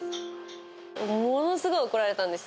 ものすごい怒られたんですよ。